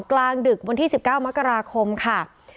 กลางดึกวันที่๑๙มกราคมค่ะ